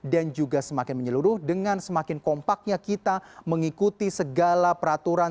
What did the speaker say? dan juga semakin menyeluruh dengan semakin kompaknya kita mengikuti segala peraturan